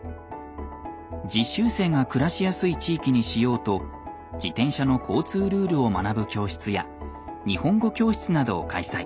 実習生が暮らしやすい地域にしようと自転車の交通ルールを学ぶ教室や日本語教室などを開催。